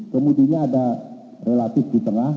kemudinya ada relatif di tengah